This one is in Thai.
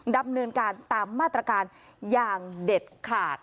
ดำเนินการตามมาตรการอย่างเด็ดขาด